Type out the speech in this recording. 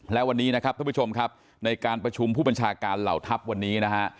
และวันนี้นะครับท่านผู้ชมครับในการประชุมผู้บัญชาการเหล่าทัพวันนี้นะฮะ